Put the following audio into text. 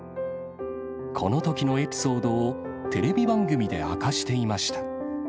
このときのエピソードをテレビ番組で明かしていました。